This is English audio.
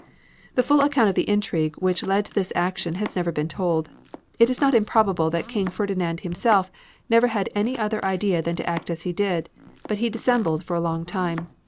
The full account of the intrigue which led to this action has never been told. It is not improbable that King Ferdinand himself never had any other idea than to act as he did, but he dissembled for a long time.